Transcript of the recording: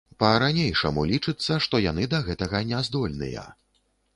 Па-ранейшаму лічыцца, што яны да гэтага няздольныя.